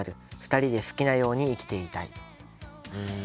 ２人で好きなように生きていたい」。